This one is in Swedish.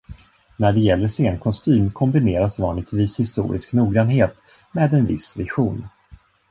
När det gäller scenkostym kombineras vanligtvis historisk noggrannhet med en viss vision.